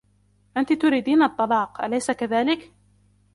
أنتِ تريدين الطلاق, أليس كذلك ؟